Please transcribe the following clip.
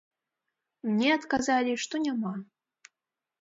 Мне адказалі, што няма.